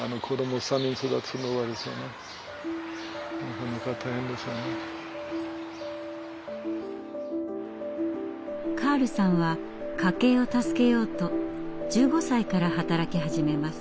全然今考えるとカールさんは家計を助けようと１５歳から働き始めます。